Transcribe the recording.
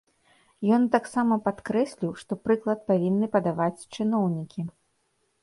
Ён таксама падкрэсліў, што прыклад павінны падаваць чыноўнікі.